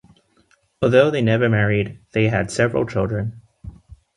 Although they never married, they had several children.